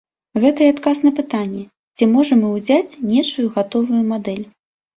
Гэта і адказ на пытанне, ці можам мы ўзяць нечую гатовую мадэль?